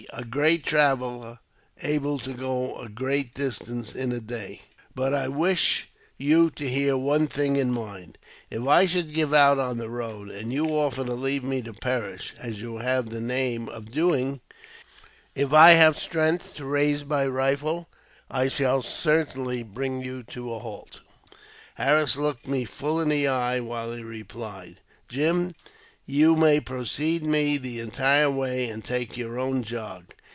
a great traveller ; able to go a great distance in a day. JAMES P. BECKW0UBT3. 39 I wish you to bear one thing in mind : if I should give out on the road, and you offer to leave me to perish, as you have the name of doing, if I have strength to raise and cock my rifle, I shall certainly bring you to a halt." Harris looked me full in the eye while he replied, " Jim, you may precede me the entire way, and take your own jog.